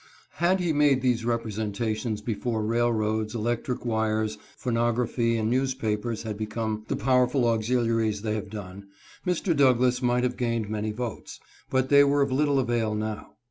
Had he made these representations before railroads, electric wires, phonography, and newspapers had become the powerful auxiliaries they have done, Mr. Douglas might have gained many votes, but they were of little avail now.